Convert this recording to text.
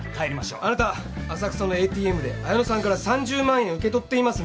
あなた浅草のＡＴＭで綾野さんから３０万円受け取っていますね。